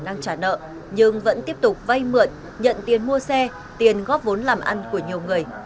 đang trả nợ nhưng vẫn tiếp tục vay mượn nhận tiền mua xe tiền góp vốn làm ăn của nhiều người